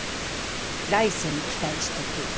来世に期待しとく。